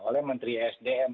oleh menteri esdm